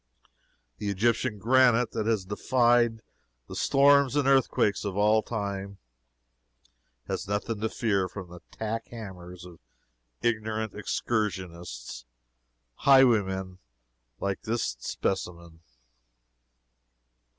Egyptian granite that has defied the storms and earthquakes of all time has nothing to fear from the tack hammers of ignorant excursionists highwaymen like this specimen.